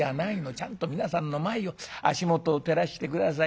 ちゃんと皆さんの前を足元を照らして下さい。